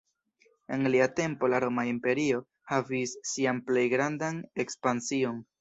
En lia tempo la Roma Imperio havis sian plej grandan ekspansion.